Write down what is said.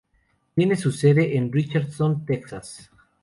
Tiene su sede en Richardson, Texas.